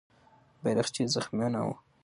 بیرغچی زخمي نه و.